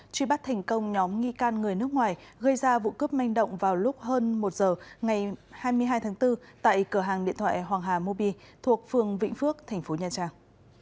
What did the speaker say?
truy bắt thành công nhóm nghi can người nước ngoài gây ra vụ cướp manh động vào lúc hơn một giờ ngày hai mươi hai tháng bốn tại cửa hàng điện thoại hoàng hà mobi thuộc phường vĩnh phước thành phố nha trang